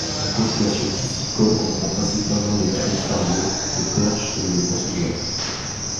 La population piscicole comprend principalement des truites fario, des perches et des poissons blancs.